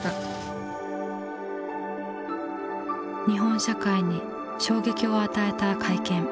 日本社会に衝撃を与えた会見。